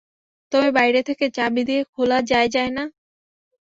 তবে বাইরে থেকে চাবি দিয়ে খোলা যায় যায় না?